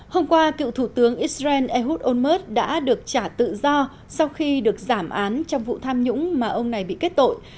hôm qua cựu thủ tướng israel ahut onmerth đã được trả tự do sau khi được giảm án trong vụ tham nhũng mà ông này bị kết tội